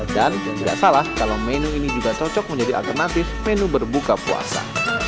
dan tidak salah kalau menu ini juga cocok menjadi alternatif menu berbuka puasa